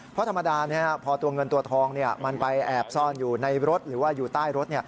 เพราะธรรมดาพอตัวเงินตัวทองมันไปแอบซ่อนอยู่ในรถหรือว่าอยู่ใต้รถ